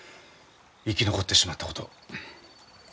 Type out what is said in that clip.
生き残ってしまったことを。